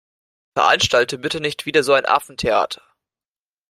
Veranstalte bitte nicht wieder so ein Affentheater.